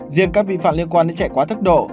riêng các vi phạm liên quan đến chạy quá tốc độ